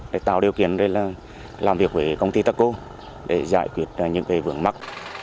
để tạo điều kiện để làm việc với công ty taco để giải quyết những vườn mắc